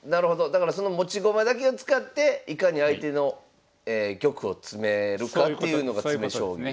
だからその持ち駒だけを使っていかに相手の玉を詰めるかっていうのが詰将棋ですね。